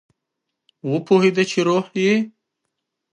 وپوهیده چې روح یې